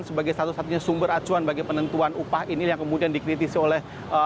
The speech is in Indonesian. sebagai satu satunya sumber acuan bagi penentuan upah ini yang kemudian dikritisi oleh